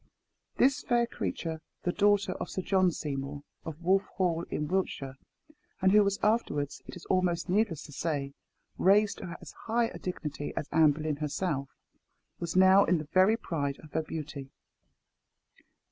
This fair creature, the daughter of Sir John Seymour, of Wolff Hall, in Wiltshire, and who was afterwards, it is almost needless to say, raised to as high a dignity as Anne Boleyn herself, was now in the very pride of her beauty.